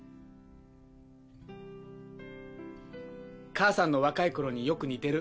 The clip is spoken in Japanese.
母さんの若い頃によく似てる。